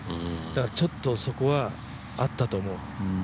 だからちょっとそこはあったと思う。